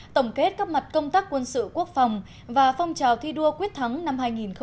tổng kết các mặt công tác quân sự quốc phòng và phong trào thi đua quyết thắng năm hai nghìn một mươi chín